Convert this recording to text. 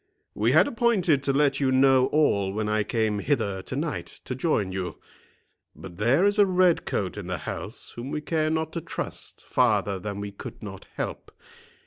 We had appointed to let you know all when I came hither to night to join you. But there is a red coat in the house whom we care not to trust farther than we could not help.